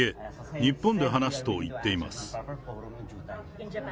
日本で話すと言っています。